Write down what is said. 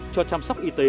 cho chăm sóc y tế